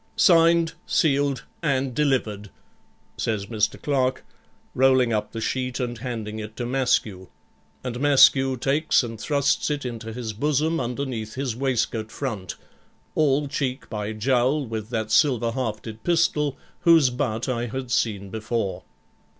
'Signed, sealed, and delivered,' says Mr. Clerk, rolling up the sheet and handing it to Maskew; and Maskew takes and thrusts it into his bosom underneath his waistcoat front all cheek by jowl with that silver hafted pistol, whose butt I had seen before.